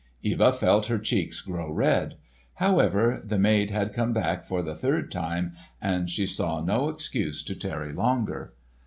Eva felt her cheeks grow red. However the maid had come back for the third time, and she saw no excuse to tarry longer.